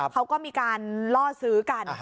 เขาก็มีการล่อซื้อกัน